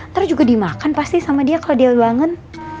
ntar juga dimakan pasti sama dia kalau dia bangun